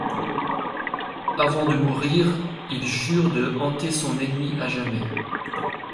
Avant de mourir, il jure de hanter son ennemi à jamais.